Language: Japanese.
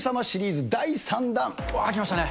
きましたね。